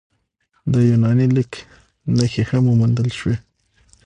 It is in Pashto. د یوناني لیک نښې هم موندل شوي